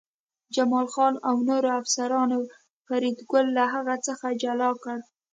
جمال خان او نورو افسرانو فریدګل له هغه څخه جلا کړ